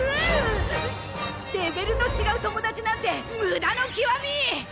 レベルの違う友達なんて無駄の極み！